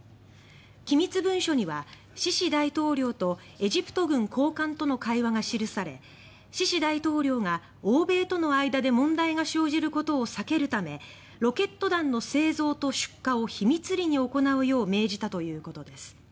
機密文書にはシシ大統領とエジプト軍高官との会話が記されシシ大統領が欧米との間で問題が生じることを避けるためロケット弾の製造と出荷を秘密裏に行うよう命じたということです。